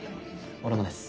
俺もです。